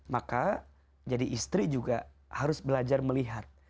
maka jadi istri juga harus belajar melihat